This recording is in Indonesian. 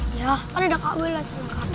iya kan udah kak belas